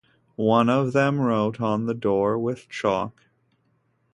One of them wrote on the door with chalk.